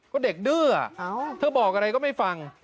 ก็เด็กดื้อเธอบอกอะไรก็ไม่ฟัง